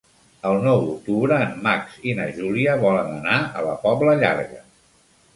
El nou d'octubre en Max i na Júlia volen anar a la Pobla Llarga.